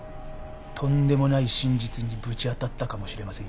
とんでもない真実にぶち当たったかもしれませんよ。